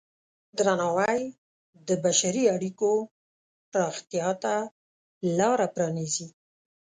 درناوی د بشري اړیکو پراختیا ته لاره پرانیزي.